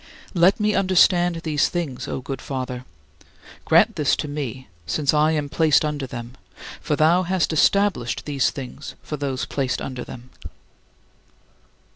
Let me understand these things, O good Father. Grant this to me, since I am placed under them; for thou hast established these things for those placed under them.